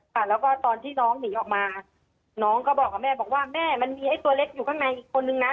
ค่ะแล้วก็ตอนที่น้องหนีออกมาน้องก็บอกกับแม่บอกว่าแม่มันมีไอ้ตัวเล็กอยู่ข้างในอีกคนนึงนะ